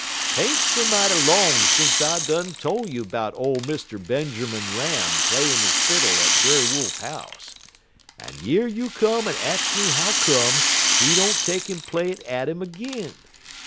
'T ain't so mighty long sence I done tole you 'bout ole Mr. Benjermun Ram playin' he fiddle at Brer Wolf house, en yer you come en ax me how come he don't take en play it at 'im 'g'in.